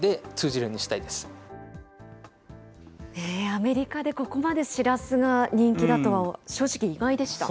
アメリカでここまでしらすが人気だとは正直、意外でした。